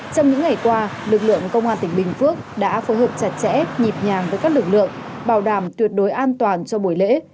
trong những ngày qua lực lượng công an tỉnh bình phước đã phối hợp chặt chẽ nhịp nhàng với các lực lượng bảo đảm tuyệt đối an toàn cho buổi lễ